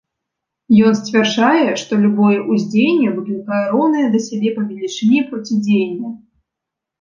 Ён сцвярджае, што любое ўздзеянне выклікае роўнае да сябе па велічыні процідзеянне.